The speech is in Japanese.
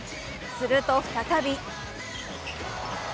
すると再び。